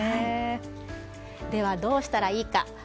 では、どうしたらいいか。